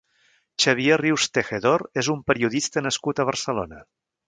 Xavier Rius Tejedor és un periodista nascut a Barcelona.